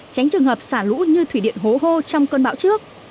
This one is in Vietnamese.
tránh trường hợp xả lũ như thủy điện hố hô trong cơn bão trước